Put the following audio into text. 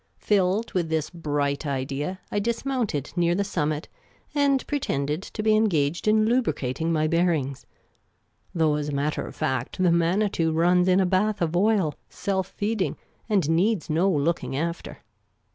Filled with this bright idea, I dismounted near the summit, and pretended to be engaged in lubricating my bearings ; though as a matter of fact the Manitou runs in a bath of oil, self feeding, and needs no loo Miss Caylcy's Adventures looking after.